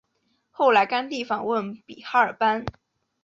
后来甘地访问比哈尔邦。